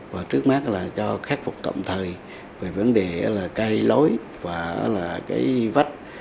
và trước mắt là cho khép phục tậm thời về vấn đề là cây lối và là cây vách